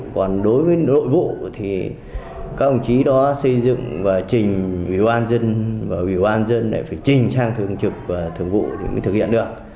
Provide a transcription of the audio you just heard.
còn đối với nội vụ thì các ông chí đó xây dựng và trình biểu an dân và biểu an dân để phải trình sang thường trực và thường vụ thì mới thực hiện được